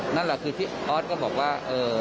นั่นแหละคือที่ออสก็บอกว่า